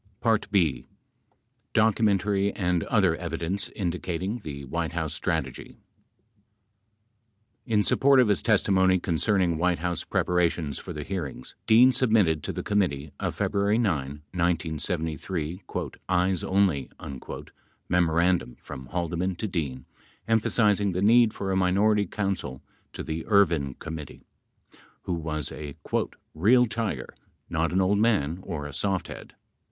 b. Documentary and Other Evidence Indicating the White House Strategy In support of his testimony concerning White House preparations for the hearings, Dean submitted to the committee a February 9, 1973, "Eyes Only" memorandum from Haldeman to Dean emphasizing the need for a minority counsel to the Ervin Committee who was a "real tiger, not an old man or a soft head.